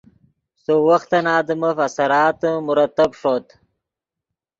سؤ وختن آدمف زندگی اثراتے مرتب ݰوت